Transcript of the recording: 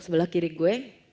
sebelah kiri gue